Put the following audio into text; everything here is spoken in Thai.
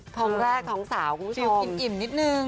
ท้องแรกท้องสาวคุณผู้ชมกินอิ่มนิดนึง